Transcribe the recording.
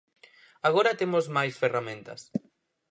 Agora temos máis ferramentas.